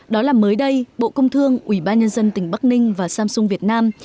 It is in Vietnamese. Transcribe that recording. đó là mới đây bộ công thương ủy ban nhân dân tỉnh bắc ninh và samsung việt nam